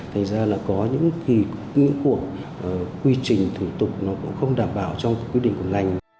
thành ra là có những cuộc quy trình thủ tục nó cũng không đảm bảo trong quy định của ngành